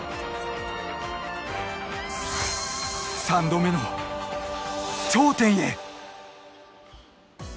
３度目の頂点へ。